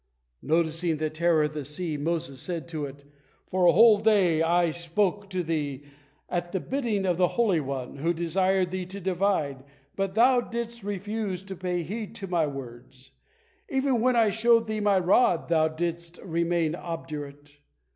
Noticing the terror of the sea, Moses said to it: "For a whole day I spoke to thee at the bidding of the Holy One, who desired thee to divide, but thou didst refuse to pay heed to my words; even when I showed thee my rod, thou didst remain obdurate.